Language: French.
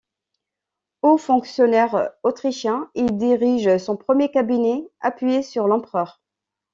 Haut fonctionnaire autrichien, il dirige son premier cabinet appuyé sur l'empereur.